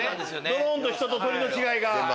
ドローンと人と鳥の違いが。